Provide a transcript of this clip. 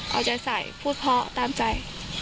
เอาใจใส่พูดเพาะตามใจ